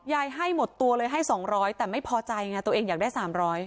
ยายให้หมดตัวเลยให้สองร้อยแต่ไม่พอใจไงตัวเองอยากได้สามร้อย